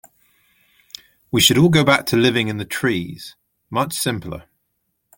We should all go back to living in the trees, much simpler.